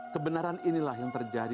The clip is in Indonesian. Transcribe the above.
kebenaran inilah yang terjadi